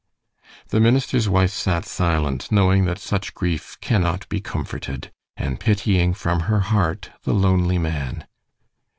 The minister's wife sat silent, knowing that such grief cannot be comforted, and pitying from her heart the lonely man.